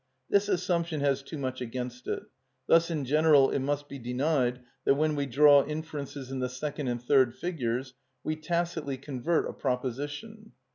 This assumption has too much against it. Thus in general it must be denied that when we draw inferences in the second and third figures we tacitly convert a proposition.